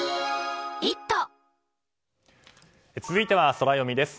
続いてはソラよみです。